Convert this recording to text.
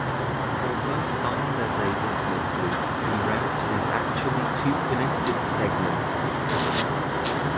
Although signed as a business loop the route is actually two connected segments.